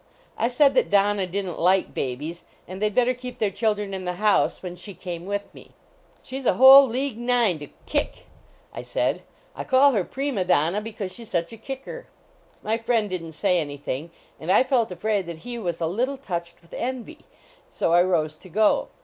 I said that Donna didn t like babies .. n d they d bet ter keep their children in the house when ^hr came with me. " She s \ whole league nine 251 HOUSEHOLD PETS to kick," I said. " I call her Prima Donna because she s such a kicker." My friend didn t say anything, and I felt afraid that he was a little touched with envy. So I rose to go.